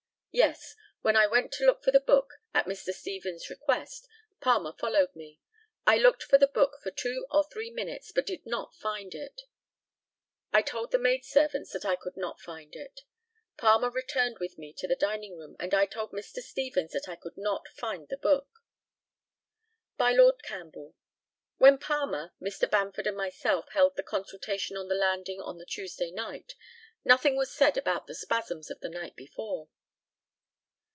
Yes. When I went to look for the book, at Mr. Stevens' request, Palmer followed me. I looked for the book for two or three minutes, but did not find it. I told the maidservants that I could not find it. Palmer returned with me to the dining room, and I told Mr. Stevens that I could not find the book. By Lord CAMPBELL: When Palmer, Mr. Bamford, and myself, held the consultation on the landing on the Tuesday night, nothing was said about the spasms of the night before.